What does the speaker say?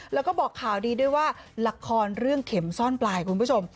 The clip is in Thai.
แล้วก็บอกข่าวดีด้วยว่าละครเรื่องเข็มซ่อนปลายคุณผู้ชม